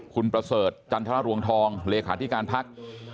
คุณประเสริฐจันทรรวงทองเลขาธิการพัก